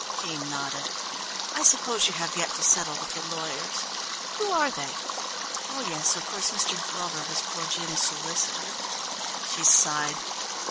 Jean nodded. "I suppose you have yet to settle with the lawyers. Who are they? Oh yes, of course Mr. Glover was poor Jim's solicitor." She sighed.